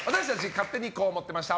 勝手にこう思ってました！